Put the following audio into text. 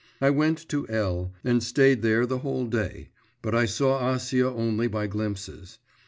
I went to L and stayed there the whole day, but I saw Acia only by glimpses.